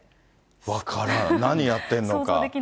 分からない、何やってんのか。